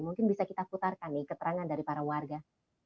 mungkin bisa kita putarkan nih keterangan dari para warga